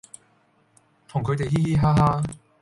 同佢地嘻嘻哈哈